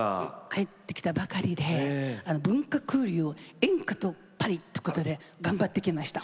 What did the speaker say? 帰ってきたばかりで文化交流演歌とパリということで頑張ってきました。